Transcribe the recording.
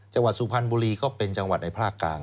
จังหวัดสุพรรณบุรีก็เป็นจังหวัดในภาคกลาง